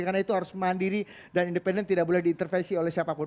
karena itu harus mandiri dan independen tidak boleh diintervensi oleh siapapun